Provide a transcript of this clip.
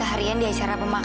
aida butuh bapak